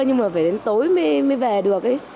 nhưng mà phải đến tối mới về được